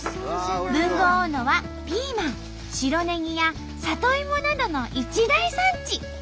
豊後大野はピーマン白ねぎや里芋などの一大産地。